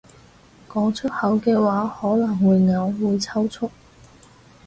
講出口嘅話可能會嘔同抽搐